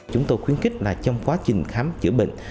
chúng tôi khuyến kích là trong quá trình khám chữa bệnh